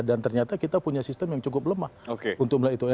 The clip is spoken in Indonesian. dan ternyata kita punya sistem yang cukup lemah untuk melihat itu